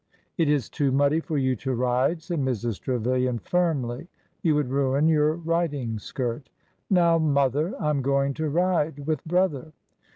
'' It is too muddy for you to ride," said Mrs. Trevilian, firmly. You would ruin your riding skirt." Now, mother! I'm going to ridel— with brother."